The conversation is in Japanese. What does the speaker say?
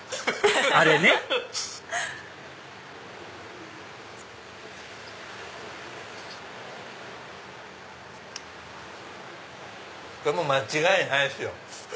あれねこれもう間違いないっすよ！